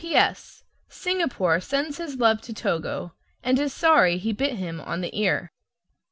P.S. Singapore sends his love to Togo, and is sorry he bit him on the ear.